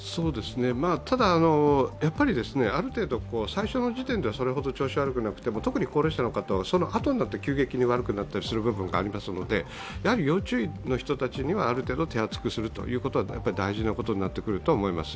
ただ、ある程度、最初の時点ではそれほど調子が悪くなくても特に高齢者の方はそのあとになって急激に悪くなる部分があったりしますので、要注意の人たちにはある程度手厚くすることは大事になってくると思います。